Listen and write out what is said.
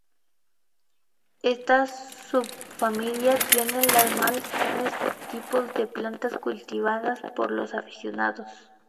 Esta subfamilia tiene las más comunes tipos de plantas cultivadas por los aficionados.